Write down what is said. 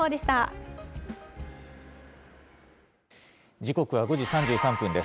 時刻は５時３３分です。